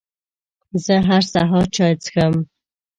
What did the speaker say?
زه هر سهار چای څښم.